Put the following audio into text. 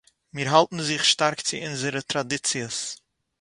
מיר האַלטן זיך שטאַרק צו אונזערע טראַדיציעס